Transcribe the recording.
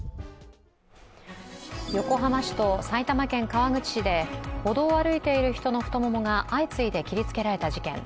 横浜市と埼玉県川口市で歩道を歩いている人の太ももが相次いできりつけられた事件。